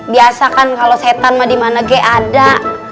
biasa kan kalau setan mah dimana ge ada